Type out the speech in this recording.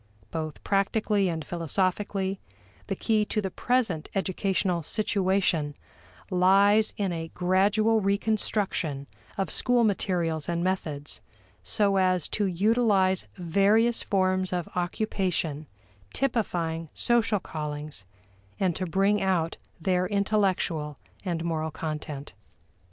Both practically and philosophically, the key to the present educational situation lies in a gradual reconstruction of school materials and methods so as to utilize various forms of occupation typifying social callings, and to bring out their intellectual and moral content.